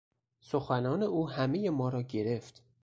سخنان او همهی ما را گرفت.